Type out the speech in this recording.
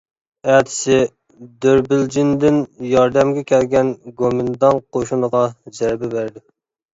ئەتىسى دۆربىلجىندىن ياردەمگە كەلگەن گومىنداڭ قوشۇنىغا زەربە بەردى.